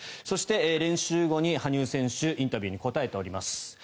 そして、練習後に羽生選手インタビューに答えています。